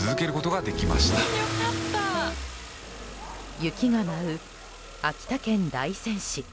雪が舞う秋田県大仙市。